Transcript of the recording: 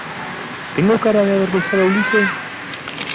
¿ tengo cara de haber besado a Ulises?